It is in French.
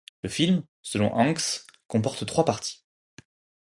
Le film, selon Hanks, comporte trois parties.